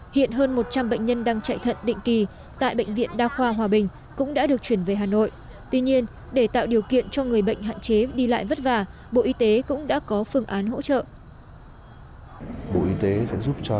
hiện hơn một trăm linh bệnh nhân đang chạy thận định kỳ tại bệnh viện đa khoa hòa bình cũng đã được chuyển về hà nội tuy nhiên để tạo điều kiện cho người bệnh hạn chế đi lại vất vả bộ y tế cũng đã có phương án hỗ trợ